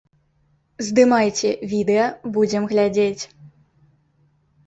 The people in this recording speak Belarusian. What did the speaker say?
Здымайце відэа, будзем глядзець!